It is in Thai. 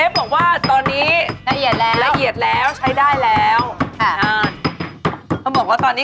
ไปช่วยน้องสิ